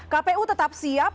kpu tetap siap